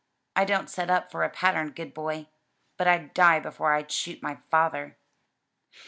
I don't set up for a pattern good boy, but I'd die before I'd shoot my father."